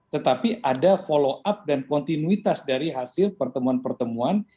tetapi ada follow up dan kontinuitas dari hasil pertemuan pertemuan